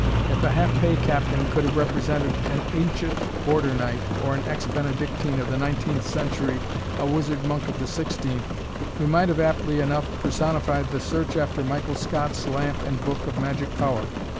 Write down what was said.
If a half pay Captain could have represented an ancient Border knight, or an ex Benedictine of the nineteenth century a wizard monk of the sixteenth, we might have aptly enough personified the search after Michael Scott's lamp and book of magic power.